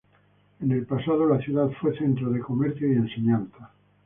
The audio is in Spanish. En el pasado la ciudad fue centro de comercio y enseñanza.